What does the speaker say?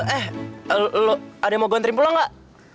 eh lo adek mau gue anterin pulang gak